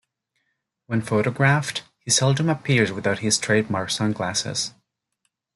When photographed, he seldom appears without his trademark sunglasses.